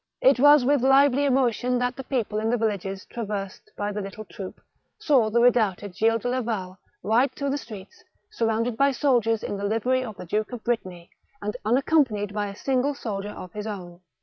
It was with lively emotion that the people in the villages traversed by the little troop, saw the redoubted Gilles de Laval ride through their streets, surrounded by soldiers in the livery of the Duke of Brittany, and unaccompanied by a single soldier of his own.